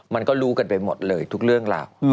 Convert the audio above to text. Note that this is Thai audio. มันก็รู้กันไปหมดเลยทุกเรื่องราว